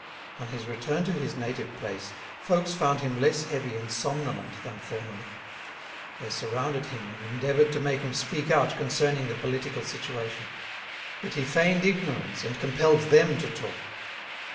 On his return to his native place, folks found him less heavy and somnolent than formerly. They surrounded him and endeavoured to make him speak out concerning the political situation. But he feigned ignorance and compelled them to talk.